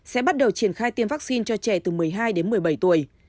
sẽ bắt đầu triển khai tiêm vaccine cho trẻ từ một mươi hai đến một mươi bảy tuổi